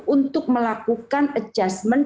untuk melakukan adjustment